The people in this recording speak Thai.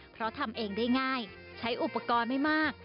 เพราะทำเองได้ง่ายใช้อุปกรณ์ไม่มาก